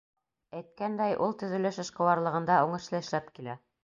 Әйткәндәй, ул төҙөлөш эшҡыуарлығында уңышлы эшләп килә.